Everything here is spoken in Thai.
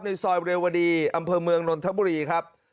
ในซอยเรวดีอำเภอเมืองนนทบุรีครับ